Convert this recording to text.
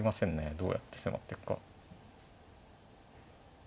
どうやって迫っていくか。